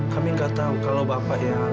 kami gak tahu kalau bapak yang